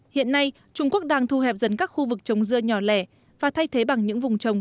hiện nay trung quốc đang thu hẹp dần các khu vực trồng dưa nhỏ lẻ và thay thế bằng những vùng trồng